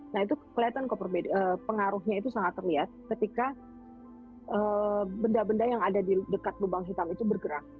nah itu kelihatan pengaruhnya itu sangat terlihat ketika benda benda yang ada di dekat lubang hitam itu bergerak